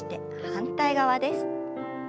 反対側です。